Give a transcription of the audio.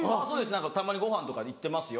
「たまにごはんとか行ってますよ」。